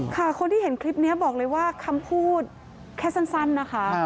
คนที่เห็นคลิปนี้บอกเลยว่าคำพูดแค่สั้นนะคะ